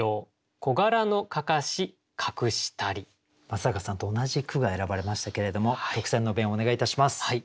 松坂さんと同じ句が選ばれましたけれども特選の弁をお願いいたします。